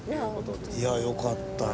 いやあよかったよ。